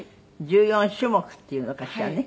１４種目っていうのかしらね？